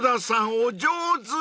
お上手］